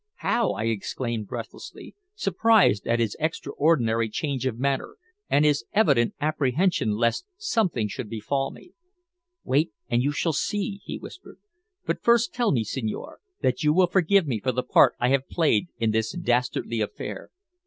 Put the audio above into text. "How?" I exclaimed breathlessly, surprised at his extraordinary change of manner and his evident apprehension lest something should befall me. "Wait, and you shall see," he whispered. "But first tell me, signore, that you will forgive me for the part I have played in this dastardly affair.